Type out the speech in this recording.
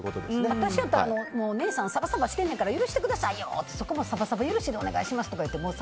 私やったらお姉さんサバサバしてるんですから許してくださいよってサバサバ許しでお願いしますって。